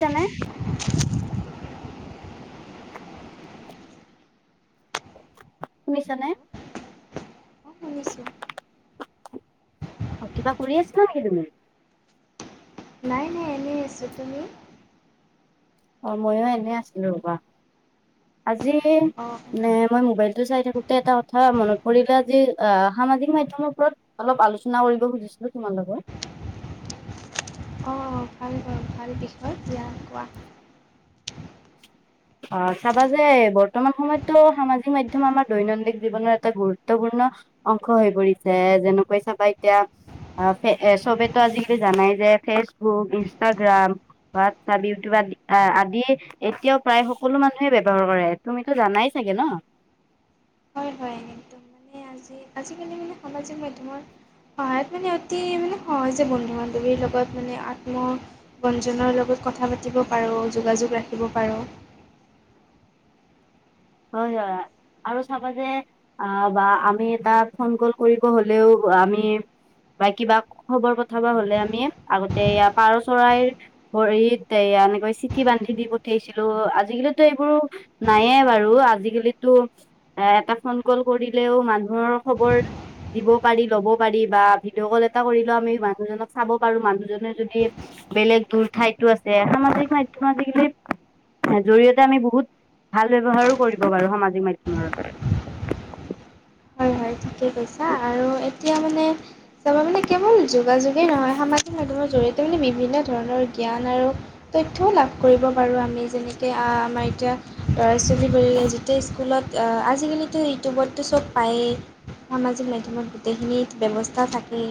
কেনে [inaudible] শুনিছানে হেল্ল', অঁ, শুনিছোঁ। অঁ, কিবা কৰি আছিলা নেকি তুমি? নাই, নাই, এনেই আছোঁ। তুমি? ই ময়ো এনে আছিলো ৰবা, আজি অঁ নে মই মোবাইলটো চাই থাকোতে এটা কথা মনত পৰিলে আজি অ, সামাজিক মাধ্যমৰ ওপৰত অলপ আলোচনা কৰিব খুজিছিলো তোমাৰ লগত। অঁ অঁ ভাল হল ভাল বিষয় দিয়া কোৱা। অ' চাবা যে বৰ্তমান সময়তো সামাজিক মাধ্যম আমাৰ দৈনন্দিন জীৱনৰ এটা গুৰুত্বপূৰ্ণ অংশ হৈ পৰিছে, যেনেকৈ চাবা এতিয়া অ', চবেতো আজিকালি জানাই যে ফেচবুক, ইনষ্টাগ্ৰাম হোৱাটছআপ, ইউটিউব আদি আদি এতিয়াও প্ৰায় সকলো মানুহে ব্যৱহাৰ তুমিতো জানাই চাগে ন? হয় হয় একদম মানে আজি আজিকালি মানে সামাজিক মাধ্যমৰ সহায়ত মানে অতি মানে সহজে বন্ধু বান্ধৱীৰ লগত মানে আত্ম ব্যঞ্জনৰ লগত কথা পাতিব পাৰোঁ যোগাযোগ ৰাখিব পাৰোঁ। হয় হয় আৰু চাবা যে অ বা আমি এটা ফোন কল কৰিব হলেও আমি বা কিবা খবৰ পঠাব হলে আমি আগতে ইয়াৰ পৰা চৰাইৰ ভৰিত এয়া এনেকৈ চিঠি বান্ধি দি পঠিয়াইছিলো। আজিকালিতো এইবোৰ নাইয়ে বাৰু। আৰু আজিকালিতো এ এটা ফোন কল কৰিলেও মানুহৰ খবৰ দিব পাৰি ল'ব পাৰি বা ভিডিঅ' কল এটা কৰিলেও আমি মানুহজনক চাব পাৰো মানুহজনে যদি বেলেগ দূৰ ঠাইতো আছে সামাজিক মাধ্যমত আজিকালি জৰিয়তে আমি বহুত ভাল ব্যৱহাৰো কৰিব পাৰো সামাজিক মাধ্যমৰ হয় হয় ঠিকেই কৈছা আৰু এতিয়া মানে চাবা মানে কেৱল যোগাযোগেই নহয় সামাজিক মাধ্যমৰ জৰিয়তে মানে বিভিন্ন ধৰণৰ জ্ঞান আৰু তথ্যও লাভ কৰিব পাৰো আমি যেনেকে আ আমাৰ এতিয়া ল'ৰা ছোৱালীবোৰে যে যেতিয়া স্কুলত আ আজিকালিতো ইউটিউবততো চব পায়েই। সামাজিক মাধ্যমত গোটেইখিনি ব্যৱস্থা থাকেই।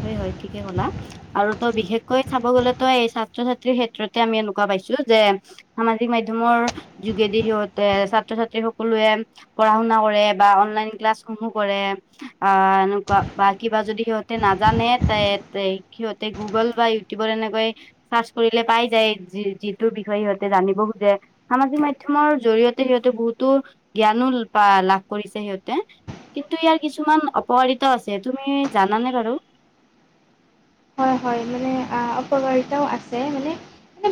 হয় হয় ঠিকে ক'লা আৰু ত বিশেষকৈ চাব গলে তই এই ছাত্ৰ ছাত্ৰী ক্ষেত্ৰতে আমি এনেকুৱা পাইছো যে সামাজিক মাধ্যমৰ যোগেদি সিহঁতে ছাত্ৰ ছাত্ৰী সকলোৱে পঢ়া শুনা কৰে বা অনলাইন ক্লাছসমূহ কৰে আহ এনেকুৱা বা কিবা যদি সিহ সিহঁতে নাজানে তে তে সিহঁতে গুগল বা ইউটিউবৰ এনেকৈ চাৰ্চ কৰিলে পাই যায় যি যিটোৰ বিষয়ে সিহঁতে জানিব খোজে সামাজিক মাধ্যমৰ জৰিয়তে সিহঁতে বহুতো জ্ঞানো লা লাভ কৰিছে সিহঁতে কিন্তু ইয়াৰ কিছুমান অপকাৰিতা আছে তুমি জানানে বাৰু হয় হয় মানে আ অপকাৰিতাও আছে মানে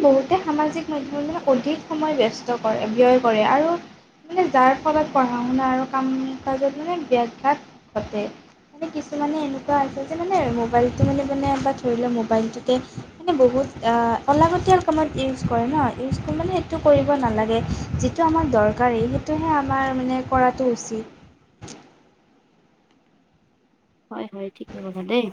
বহুতে সামাজিক মাধ্যমে মানে অধিক সময় ব্যস্ত কৰে ব্যয় কৰে আৰু মানে যাৰ ফলত পঢ়া শুনা আৰু কাম কাজত মানে ব্যাঘাত ঘটে মানে কিছুমানে এনেকুৱা আছে যে মানে মোবাইলটো মানে বা ধৰি লোৱা মোবাইলটোতে মানে বহুত আ অলাগতিয়াল কামত ইউজ কৰে ন ইউজ মানে সেইটো কৰিব নালাগে যি যিটো আমাৰ দৰকাৰী সেইটোহে আমাৰ মানে কৰাটো উচিত হয় হয় ঠিকে কলা দেই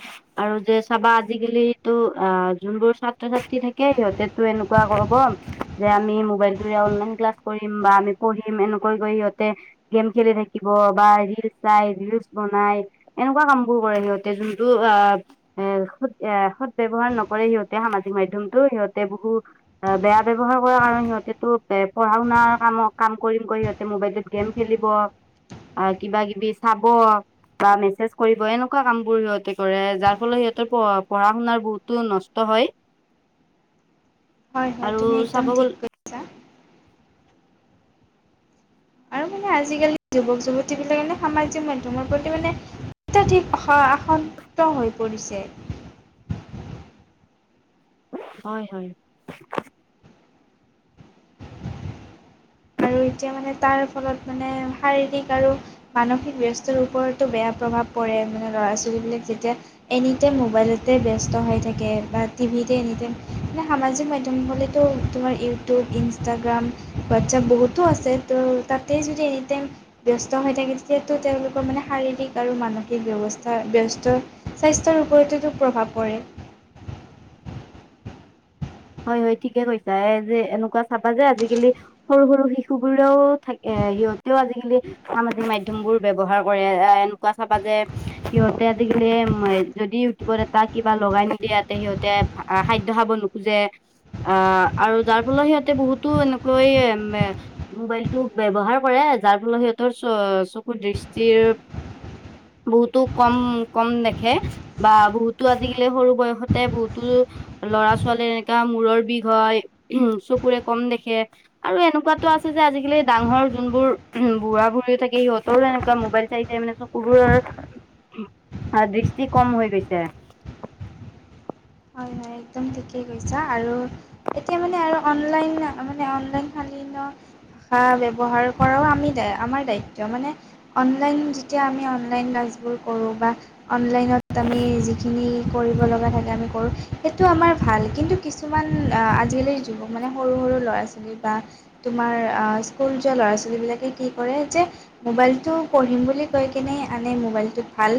আৰু যে চাবা আজিকালিটো আ যোনবোৰ ছাত্ৰ ছাত্ৰী থাকে সিহঁতেতো এনেকুৱা কৰবম যে আমি মোবাইলটোৰে অনলাইন ক্লাছ কৰিম বা আমি পঢ়িম এনেকৈ কৰি সিহঁতে গেম খেলি থাকিব বা ৰিলচ চাই ৰিলচ বনাই এনেকুৱা কাম বোৰ কৰে সিহঁতে যোনটো আ এ সৎ এ সৎ ব্যৱহাৰ নকৰে সিহঁতে সামাজিক মাধ্যমটো সিহঁতে বহু অ ব্যৱহাৰ কৰাৰ কাৰণে সিহঁতেটো পঢ়া শুনাৰ কামক কাম কৰিম কৰি সিহঁতে মোবাইলটোত গেম খেলিব কিবা কিবি চাব বা মে মেচেজ কৰিব এনেকুৱা কাম বোৰ সিহঁতে কৰে যাৰ ফলত সিহঁতৰ প পঢ়া শুনাৰ বহুতো নষ্ট হয় হয় হয় আৰু তুমি একদম চাব ঠিক গ'ল কৈছা আৰু মানে আজিকালি যুৱক যুৱতীবিলাক মানে সামাজিক মাধ্যমৰ প্ৰতি মানে অত্যাধিক আস আসান্ত হৈ পৰিছে হয় হয় আৰু এতিয়া মানে তাৰ ফলত মানে শাৰীৰিক আৰু মানসিক ব্যস্তৰ ওপৰতো বেয়া প্ৰভাৱ পৰে মানে ল'ৰা ছোৱালীবিলাক যেতিয়া এনিটাইম মোবাইলতে ব্যস্ত হৈ থাকে বা টিভিতে এনিটাইম [unintelligible] সামাজিক মাধ্যম হ'লে তো তোমাৰ ইউটিউব ইনষ্টাগ্ৰাম হোৱাটচএপ বহুতো আছে ত' তাতে যদি এনিটাইম ব্যস্ত হৈ থাকে, তেতিয়াটো তেওঁলোকৰ মানে শাৰীৰিক আৰু মানসিক ব্যৱস্থা ব্যস্ত স্বাস্থ্যৰ ওপৰতোতো প্ৰভাৱ পৰে। হয়, হয় ঠিকে কৈছা। এই যে এনেকুৱা চাবা যে, আজিকালি সৰু সৰু শিশু বোৰেও থাকে এ, সিহঁতেও আজিকালি সামাজিক মাধ্যম বোৰ ব্যৱহাৰ কৰে, এ, এনেকুৱা চাবা যে সিহঁতে আজিকালি উম, যদি ইউটিউবৰ এটা কিবা লগাই নিদিয়েতে সিহঁতে খাদ্যয় খাব নো যে, আ, আৰু তাৰ ফলত সিহঁতে বহুতো এনেকৈ মোবাইলটো ব্যয়ৱহাৰ কৰে, যাৰ ফলত সিহঁতৰ চ-চকুৰ দৃষ্টিৰ বহুতো কম, কম দেখে। বা বহুতো আজিকালি সৰু বয়সতে বহুতো ল'ৰা ছ ছোৱালী এনেকা মূৰৰ বিষ হয়, উম, চকুৰে কম দেখে। আৰু এনেকুৱাতো আছে যে, আজিকালি ডাঙৰ যোনবোৰ বুঢ়া-বুঢ়ীও থাকে সিহঁতৰো এনেকুৱা মোবাইল চাই চাই চ [unintelligible] দৃষ্টি কম হৈ গৈছে। হয়, হয় একদম ঠিকেই কৈছা আৰু এতিয়া মানে আৰু অনলাইন মানে অনলাইন শালী ন [unintelligible] ব্যৱহাৰ কৰাও আমি দ আমাৰ দায়িত্ব মানে অনলাইন যেতিয়া আমি অনলাইন ক্লাছবোৰ কৰোঁ বা অনলাইনত আমি যিখিনি কৰিব লগা থাকে আমি [unintelligible] সেইটো আমাৰ ভাল। কিন্তু কিছুমান আজিকালিৰ যুৱক মানে সৰু সৰু ল'ৰা ছোৱালী বা তোমাৰ আ, স্কুল যোৱা ল'ৰা-ছোৱালী বিলাকে কি কৰে যে, মোবাইলটো পঢ়িম বুলি কৈ কেনে আনে, মোবাইলটোত ভাল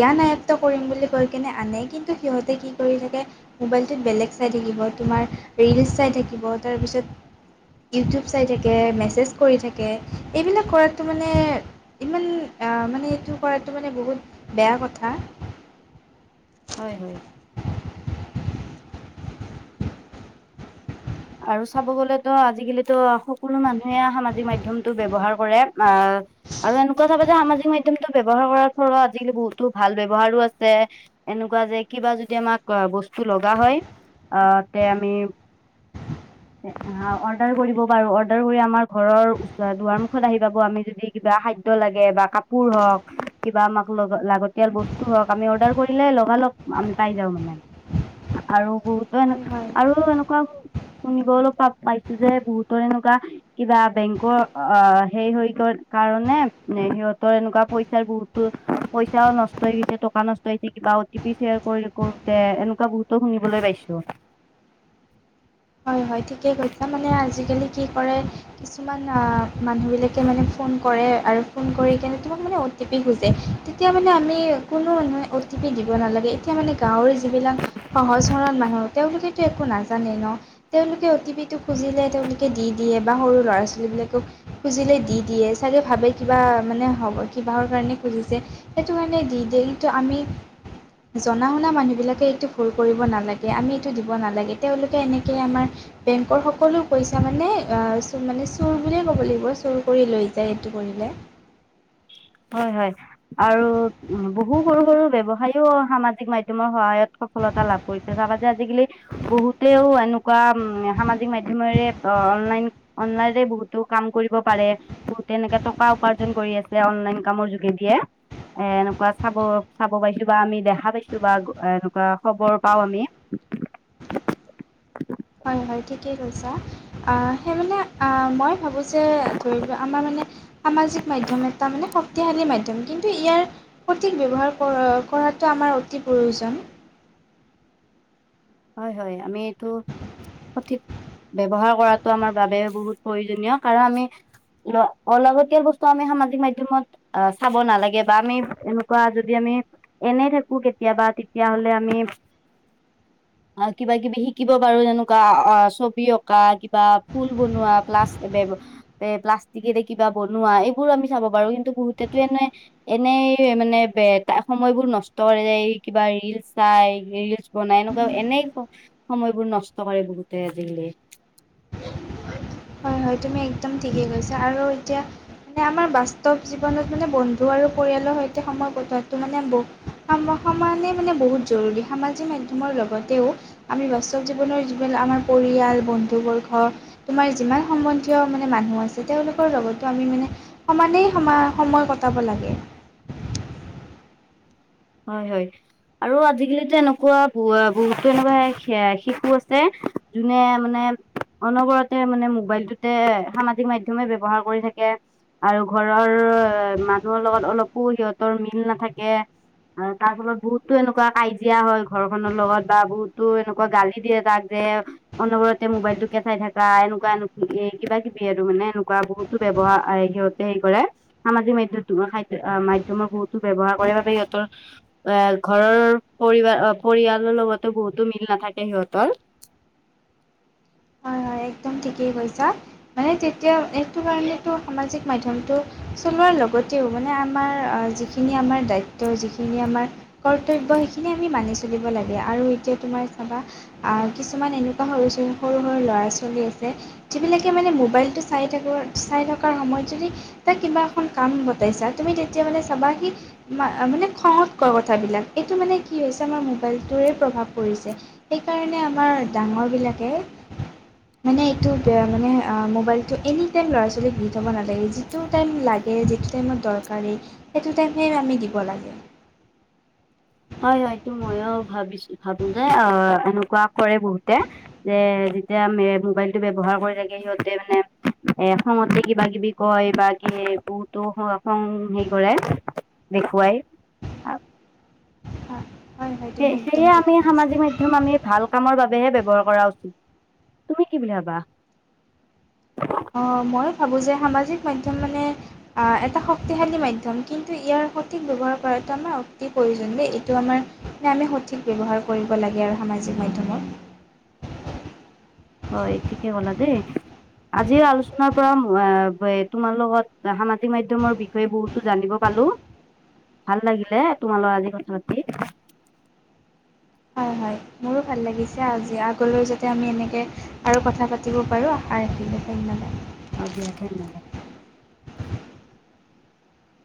জ্ঞান আয়ত্ত কৰিম বুলি কৈ কিনে আনে, কিন্তু সিহঁতে কি কৰি থাকে মোবাইলটোত বেলেগ চাই থাকিব। তোমাৰ ৰিলচ চাই থাকিব তাৰপিছত ইউটিউব চাই থাকে, মেছেজ কৰি থাকে। এইবিলাক কৰাতো মানে ইমান মানে এইটো কৰাতটো মানে বহুত বেয়া কথা। হয়, হয়। আৰু চাব গলেতো সকলো মানুহে সামাজিক মাধ্যয়মতটো ব্যৱহাৰ কৰে, আ আৰু এনেকুৱা লগে যে সামাজিক মাধ্যমতটো ব্যৱহাৰ কৰাৰ ফলত আজিকালি বহুতো ভাল ব্যৱহাৰো আছে এনেকুৱা যে কিবা যদি আমাক বস্তু লগা হয়, আ, তে আমি অ', অৰ্ডাৰ কৰিব পাৰো, অৰ্ডাৰ কৰি আমাৰ ঘৰৰ দুৱাৰ মুুখত আহি পাব আমি যদি কিবা খাদ্য লাগে বা কাপোৰ হওক, কিবা আমাক লগ লাগতিয়াল বস্তু হওক আমি অৰ্ডাৰ কৰিলে লগালগ আমি পাই যাও মানে আৰু হয় হয় বহুতো [inaudible] শুনিব অলপ প- পাইছো যে বহুতৰ এনেকুৱা কিবা বেংকৰ আ, সেই হৈ কাৰণে সিহঁতৰ এনেকুৱা পইচাৰ গো পইচাও নষ্ট হৈ গৈছে, টকা নষ্ট হৈছে কিবা অটি পি শ্বেয়াৰ কৰি কৰোতে এনেকুৱা বহুত শুনিবলৈ পাইছো। হয়, হয় ঠিকেই কৈছা। মানে আজিকালি কি কৰে কিছুমান আ, মানুহবিলাকে মানে ফোন কৰে আৰু ফোন কৰি কিনে তোমাক মানে অ অ' টি পি খোজে, তেতিয়া মানে আমি কোনো মানহে অ' টি পি দিব নালাগে। এতিয়া মানে গাঁৱৰে যিবিলাক সহজ-সৰল মানুহ তেওঁলোকেতো একো নাজানে ন। তেওঁলোকে অ' টি পিটো খুজিলে তেওঁলোকে দি দিয়ে বা সৰু ল'ৰা-ছোৱালীবিলাকেইও খুজিলে দি দিয়ে, চাগে ভাবে কিবা মানে হ'ব কি বাহৰ কাৰণে খুজিছে। সেইটো কাৰণে দি দিয়ে কিন্তু আমি জনা শুনা বিলাকে এইটো ভুল কৰিব নালাগে আমি এইটো দিব নালাগে তেওঁওলোকে এনেকে কে আমাৰ বেংকৰ সকলো পইচা মানে চ মানে চোৰ বুলিয়ে ক'ব লাগিব চোৰ কৰি লৈ যায় এইটো কৰিলে। হয়, হয়, আৰু বহু সৰু সৰু ব্যৱসায়ও সামাজিক মাধ্যয়মৰ সহায়ত সফলতা লাভ কৰিছে, চাবা যে আজিকালি বহুতেও এনেকুৱা উ, সামাজিক মাধ্যয়মেৰে অনলাইন অনলাইনে বহুতো কাম কৰিব পাৰে, বহুতে এনেকে টকা উপাৰ্জন কৰি আছে অনলাইন কামৰ যোগে দিয়ে। এ-এনেকুৱা চাব চাব পাইছো বা আমি দেখা পাইছো বা এনেকুৱা খবৰ পাও আমি। হয়, হয়, ঠিকেই কৈছা অ', সেই মানে মই ভাবোঁ যে ধৰি লোৱা আমাৰ মানে সামাজিক মাধ্যম এটা মানে শক্তশালী মাধ্যম কিন্তু ইয়াৰ প্ৰতীক ব্যৱহাৰ আমাৰ অতি প্ৰয়োজন। হয়, হয়, আমি এইটো সঠিক ব্যৱহাৰ কৰাটো আমাৰ বাবে বহুত প্ৰয়োজনীয় কাৰণ আমি অলাগতীয়াল বস্তু আমি সামাজিক মাধ্যয়মত অ', চাব নালাগে বা আমি এনেকুৱা যদি আমি এনেই থাকো কেতিয়াবা তেতিয়াহ'লে আমি অ', কিবা কিবি শিকিব পাৰো যেনেকুৱা অ', ছবি অঁকা কিবা ফুল বনোৱা প্লাছ এ প্লাষ্টিকেৰে কিবা বনোৱা এইবোৰো আমি চাব পাৰো কিন্তু বহুতে তো এনেই এনেই মানে সময়বোৰ নষ্ট কৰে যে কিবা ৰিলচ চাই ৰিলচ বনাই [unintelligible] এনেই সময়বোৰ নষ্ট কৰে বহুতে আজিকালি। হয়, হয়, তুমি একদম ঠিকে কৈছা আৰু এতিয়া মানে আমাৰ বাস্তৱ জীৱনত মানে বন্ধু আৰু পৰিয়ালৰ সৈতে সময় কটোৱটো মানে বহুত সমানে মানে বহুত জৰুৰী সামাজিক মাধ্যমৰ লগতেও আমি বাস্তৱ জীৱনৰ যিবিলাক আমাৰ পৰিয়াল বন্ধুবৰ্গ তোমাৰ যিমান সম্বন্ধীয় মানে মানুহ আছে তেওঁলোকৰ লগত তো আমি মানে সমানেই সমা সময় কটাব লাগে। হয়, হয়। আৰু আজিকালিতো এনেকুৱা বহুতো এনেকুৱা শিশু আছে যোনে মানে অনবৰতে মানে মোবাইলটোতে সামাজিক মাধ্যমে ব্যৱহাৰ কৰি থাকে। আৰু ঘৰৰ মানুহৰ লগত অলপো সিহঁতৰ মিল নাথাকে। আৰু তাৰ ফলত বহুতো এনেকুৱা কাজিয়া হয়, ঘৰখনৰ লগত বা বহুতো এনেকুৱা গালি দিয়ে তাক যে অনবৰতে মোবাইল টো কেঁচাই থকা এনেকুৱা এ কিবা কিবি আৰু মানে এনেকুৱা বহুতো ব্যৱহাৰ আহ, সিহঁত হে কৰে সামাজিক মাধ্যম মাধ্যযমৰ বহুতো ব্যৱহাৰ কৰে বাবে সিহঁত ৰ ঘৰৰ পৰিবাৰ পৰিয়ালৰ লগতো বহুতো মিল নাথাকে সিহঁতৰ। হয়, হয়, একদম ঠিকেই কৈছা। মানে তেতিয়া সেইটো কাৰণেতো সামাজিক মাধ্যমটো চলোৱাৰ লগতেও মানে আমাৰ যিখিনি যিখিনি আমাৰ দায়িত্ব যিখিনি আমাৰ কৰ্তব্য সেইখিনি আমি মানিছ চলিব লাগে আৰু এতিয়া তোমাৰ চাবা কিছুমান এনেকুৱা সৰু সৰু সৰু ল'ৰা ছোৱালী আছে যিবিলাকে মানে মোবাইলটো চাই থাকোঁ চাই থকাৰ সময়ত যদি তাক কিবা এখন কাম গতাইছা তুমি তেতিয়া মানলে চাবা সি মানে খঙত কয় কথাবিলাক এইটো মানে কি হৈছে আমাৰ মোবাইলটোৰে প্ৰভাৱ পৰিছে। সেইকাৰণে আমাৰ ডাঙৰ বিলাকে [inaudible] মানে এইটো মানে মোবাইলতটো, এনি টাইম ল'ৰা ছোৱালীক দি থ'ব নালাগে। যিটো টাইম লাগে, যিটো টাইম দৰকাৰী সেইটো টাইমেই আমি দিব লাগে। হয় হয়টো, মইও ভাবিছো ভাবো যে অ এনেকুৱা কৰে বহুতে। যে যেতিয়া আ মোবাইল টো ব্যৱহাৰ কৰি থাকে, সিহঁতে মানে এ খঙতে কিবা-কিবি, কয় বা কিবা বহুতো খং হেৰি কৰে, দেখুৱাই। হয় হয় হয়, তুমি একদম সেইয়ে আমি ঠিকে কৈছা সামাজিক মাধ্যম আমি ভাল, কামৰ বাবেহে ব্যৱহাৰ কৰা উচিত। তুমি কি বুলি ভাবা? অ মই ভাবোঁ যে সামাজিক মাধ্যম মানে, এটা শক্তিশালী মাধ্যম, কিন্তু ইয়াৰ সঠিক ব্যৱহাৰ কৰাটো আমাৰ অতি প্ৰয়োজন দেই এইটো আমাৰ। আমি সঠিক ব্যৱহাৰ কৰিব লাগে আৰু সামাজিক মাধ্যমত। হয়, ঠিকেই কলা দেই। আজিৰ আলোচনাৰ পৰা অঁ তোমাৰ লগত সামাজিক মাধ্যমৰ বিষয়, ই বহুতো জানিব পালো, ভাল লাগিলে তোমাৰ লগত আজি কথা পাতি। হয় হয়, মোৰো ভাল লাগিছে আজি আগলৈ যাতে আমি এনেকে আৰু কথা পাতি, পাতিব পাৰোঁ আশা ৰাখিলোঁ ধন্যবাদ। আজি আয়তে [unintelligible]